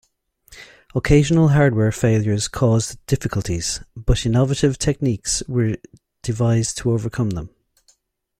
Occasional hardware failures caused difficulties, but innovative techniques were devised to overcome them.